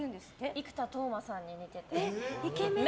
生田斗真さんに似てます。